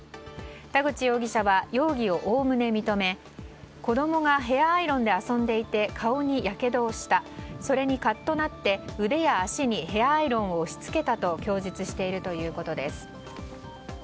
田口容疑者は容疑をおおむね認め子供がヘアアイロンで遊んでいて顔にやけどをしたそれにカッとなって腕や足にヘアアイロンを押し付けたと供述しているということです。